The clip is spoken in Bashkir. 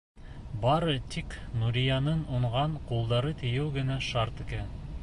Бары тик Нурияның уңған ҡулдары тейеү генә шарт икән.